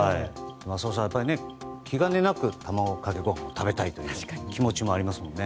浅尾さん、気兼ねなく卵かけご飯を食べたいという気持ちもありますね。